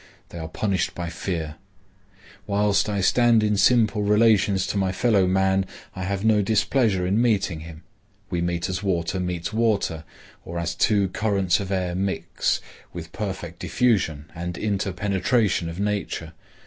They are punished by fear. Whilst I stand in simple relations to my fellow man, I have no displeasure in meeting him. We meet as water meets water, or as two currents of air mix, with perfect diffusion and interpenetration of nature.